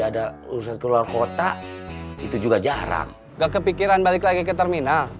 ada urusan keluar kota itu juga jarang gak kepikiran balik lagi ke terminal